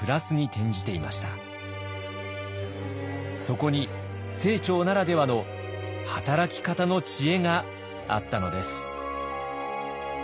そこに清張ならではの働き方の知恵があったのです。